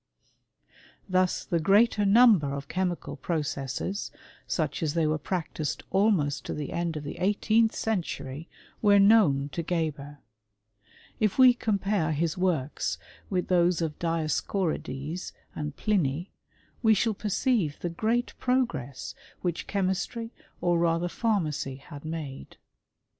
.\ \l^ Thus the greater number of chemical processes, smtf as thej were practised almost to the end of the eighteendl century, were known to Geber. If we compare Us cHsxmrET or the arabxaks. 123 Vttb with those of Dioscorides and Pliny» we shall perceive the great progress which chemistry or rather pharmacy had made.